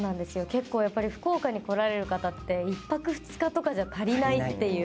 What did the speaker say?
結構、福岡に来られる方って１泊２日とかじゃ足りないっていう。